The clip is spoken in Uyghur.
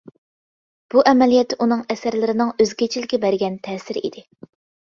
بۇ ئەمەلىيەتتە ئۇنىڭ ئەسەرلىرىنىڭ ئۆزگىچىلىكى بەرگەن تەسىر ئىدى.